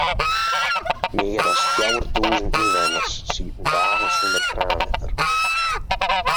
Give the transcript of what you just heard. Mear as fjouwertûzen ynwenners sieten dagen sûnder kraanwetter.